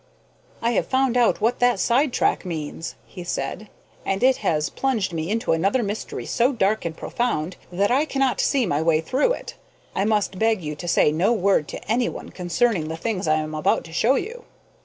"I have found out what that sidetrack means," he said, "and it has plunged me into another mystery so dark and profound that I cannot see my way through it. I must beg you to say no word to any one concerning the things I am about to show you."